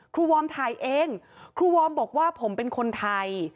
วอร์มถ่ายเองครูวอร์มบอกว่าผมเป็นคนไทย